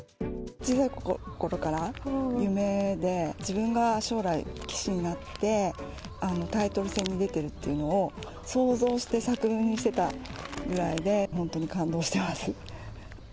小さいころからの夢で、自分が将来、棋士になって、タイトル戦に出てるっていうのを想像して作文にしてたぐらいで、本当に感動してます。